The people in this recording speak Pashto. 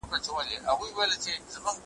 خپل راتلونکی وژغوري